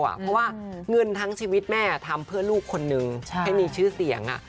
เพราะว่าเงินทั้งชีวิตแม่ทำเพื่อลูกคนนึงให้มีชื่อเสียง